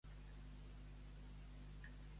El frare més savi és el que ha estat prior.